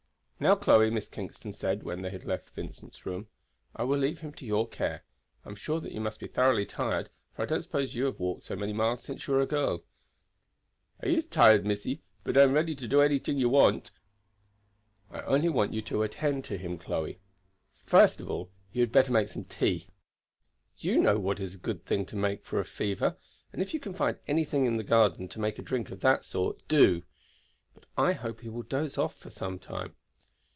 "Now, Chloe," Miss Kingston said when they had left Vincent's room, "I will leave him to your care. I am sure that you must be thoroughly tired, for I don't suppose you have walked so many miles since you were a girl." "I is tired, missie; but I am ready to do anyting you want." "I only want you to attend to him, Chloe. First of all you had better make some tea. You know what is a good thing to give for a fever, and if you can find anything in the garden to make a drink of that sort, do; but I hope he will doze off for some time.